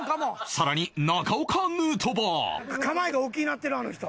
更に中岡ヌートバー構えが大きなってるあの人。